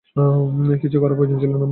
কিছুই করার প্রয়োজন ছিল না আমার।